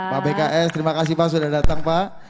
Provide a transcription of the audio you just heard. pak bks terima kasih pak sudah datang pak